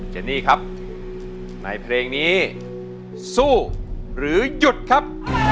เจนี่ครับในเพลงนี้สู้หรือหยุดครับ